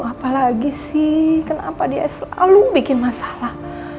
apalagi sih kenapa dia selalu bikin masalah